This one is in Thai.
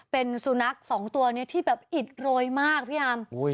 เป็นสุนัขสองตัวนี้ที่แบบอิดโรยมากพี่อาร์ม